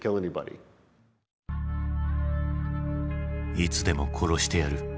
「いつでも殺してやる」。